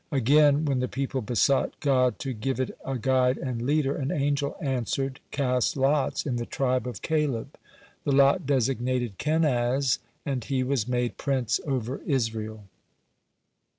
Again, when the people besought God to give it a guide and leader, an angel answered: "Cast lots in the tribe of Caleb." The lot designated Kenaz, and he was made prince over Israel.